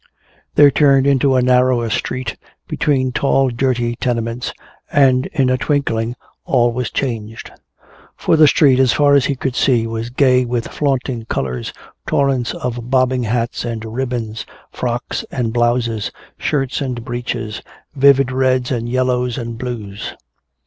They turned into a narrower street between tall dirty tenements, and in a twinkling all was changed. For the street, as far as he could see, was gay with flaunting colors, torrents of bobbing hats and ribbons, frocks and blouses, shirts and breeches, vivid reds and yellows and blues.